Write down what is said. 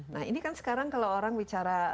nah ini kan sekarang kalau orang bicara